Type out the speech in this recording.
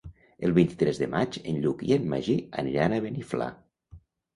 El vint-i-tres de maig en Lluc i en Magí aniran a Beniflà.